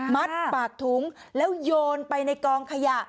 ปากถุงแล้วโยนไปในกองขยะ